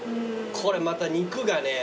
これまた肉がね